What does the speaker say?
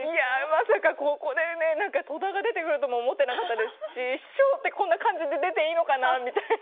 まさかここで戸田が出てくるとは思ってなかったですし市長ってこんな感じで出ていいのかなみたいな。